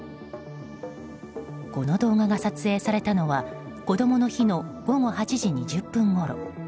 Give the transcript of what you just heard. この動画が撮影されたのはこどもの日の午後８時２０分ごろ。